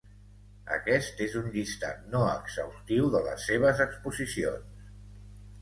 Aquest és un llistat no exhaustiu de les seves exposicions.